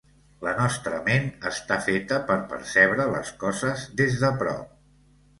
La nostra ment està feta per percebre les coses des de prop.